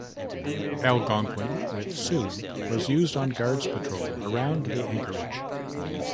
"Algonquin", with "Sioux" was used on Guards Patrol around the anchorage.